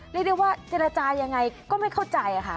และเดี๋ยวว่าเจราภาอยังไงก็ไม่เข้าใจอะคะ